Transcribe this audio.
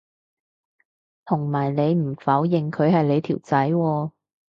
同埋你唔否認佢係你條仔喎